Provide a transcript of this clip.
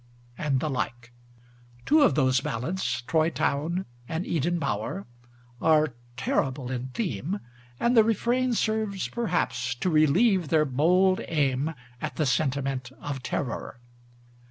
and the like. Two of those ballads Troy Town and Eden Bower, are terrible in theme; and the refrain serves, perhaps, to relieve their bold aim at the sentiment of terror.